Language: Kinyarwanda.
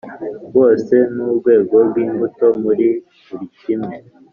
bose n urwego rw imbuto muri buri kimwe